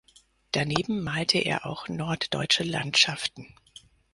Daneben malte er auch norddeutsche Landschaften.